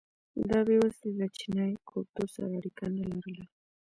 دا بېوزلي له چینايي کلتور سره اړیکه نه لرله.